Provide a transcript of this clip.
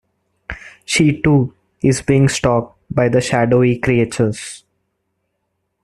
She, too, is being stalked by the shadowy creatures.